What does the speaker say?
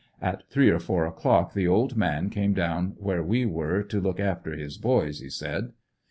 At three or four o'clock the old man came down where we were ''to look after his boys," he said.